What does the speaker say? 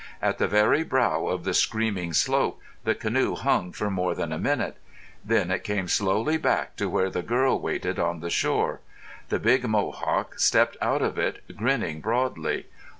At the very brow of the screaming slope the canoe hung for more than a minute. Then it came slowly back to where the girl waited on the shore. The big Mohawk stepped out of it, grinning broadly.